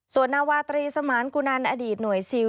ส่วนนาวาตรีสมานกุนันอดีตหน่วยซิล